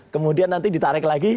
kemudian nanti ditarik lagi